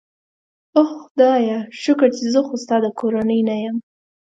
اوه خدایه، شکر چې زه خو ستا د کورنۍ نه یم.